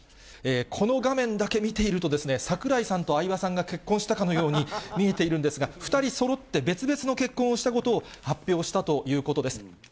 この画面だけ見ていると、櫻井さんと相葉さんが結婚したかのように見えているんですが２人そろって別々の結婚をしたことを発表したということです。